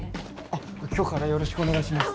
あっ今日からよろしくお願いします。